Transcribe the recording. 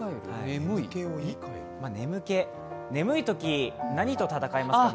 眠いとき何と闘いますか？